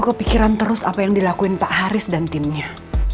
kok pikiran terus apa yang dilakuin pak haris dan timnya